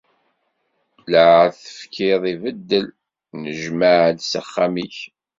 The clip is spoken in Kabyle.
Lɛehd tefkiḍ ibeddel, nnejmeɛ-d s axxam-ik.